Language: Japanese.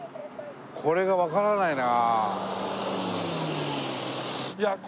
これがわからないな。